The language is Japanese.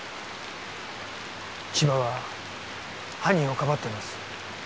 千葉は犯人をかばっています。